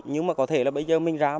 nhưng mà có thể là bây giờ mình ráng